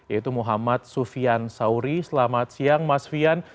yaitu muhammad sufian sauri selamat siang mas fian